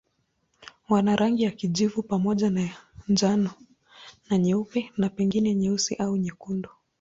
Wana rangi ya kijivu pamoja na njano na nyeupe na pengine nyeusi au nyekundu.